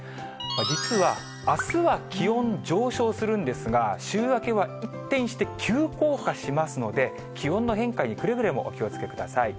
実はあすは気温上昇するんですが、週明けは一転して急降下しますので、気温の変化にくれぐれもお気をつけください。